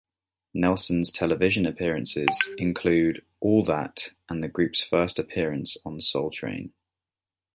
Nelson's television appearances include "All That" and the group's first appearance on "Soul Train.